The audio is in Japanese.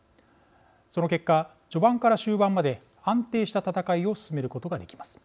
その結果序盤から終盤まで安定した戦いを進めることができます。